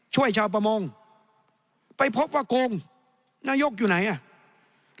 ชาวประมงไปพบว่าโกงนายกอยู่ไหนอ่ะ